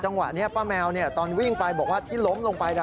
จังหวะนี้ป้าแมวตอนวิ่งไปบอกว่าที่ล้มลงไปนะ